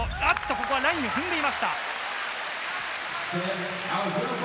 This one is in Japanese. これはラインを踏んでいました。